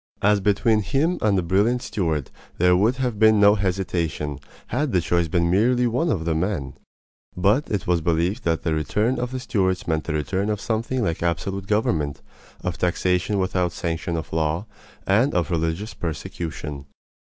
As between him and the brilliant Stuart there would have been no hesitation had the choice been merely one of men; but it was believed that the return of the Stuarts meant the return of something like absolute government, of taxation without sanction of law, and of religious persecution.